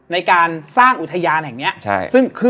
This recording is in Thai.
ในรถตู้อ่อ